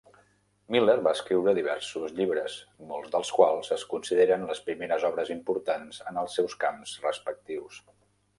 Miller va escriure diversos llibres, molts dels quals es consideren les primeres obres importants en els seus camps respectius.